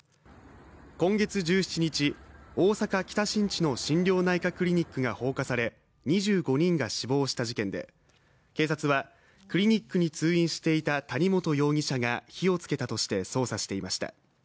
今月１７日、大阪・北新地の心療内科クリニックが放火され２５人が死亡した事件で、警察はクリニックに通院していた谷本容疑者が火をつけたとして捜査していました。